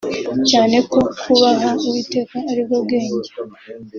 Cyane ko kubaha uwiteka aribwo bwenge